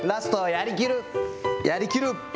やりきる。